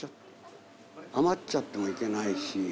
余っちゃってもいけないし。